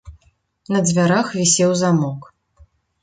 На дзвярах вісеў замок.